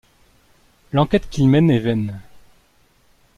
L'enquête qu'il mène est vaine.